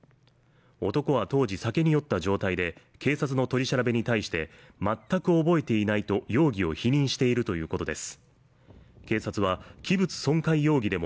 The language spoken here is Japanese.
男は当時、酒に酔った状態で警察の取り調べに対して全く覚えていないと容疑を否認しているということです。